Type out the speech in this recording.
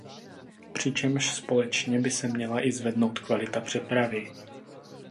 Přičemž společně by se měla i zvednout kvalita přepravy.